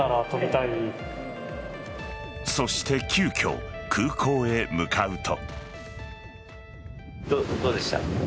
そして急きょ、空港へ向かうと。